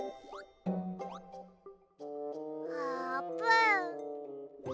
あーぷん。